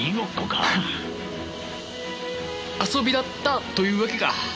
遊びだったというわけか。